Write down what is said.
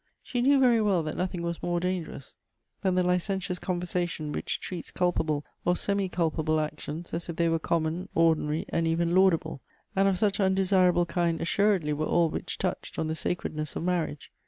She knew very well that nothing was more dangerous than the licentious conversation which treats culpable or semi culpable actions as if they were common, ordinary, and even laudable, and of such undesirable kind assuredly were all which touched on the sacredness of marriage.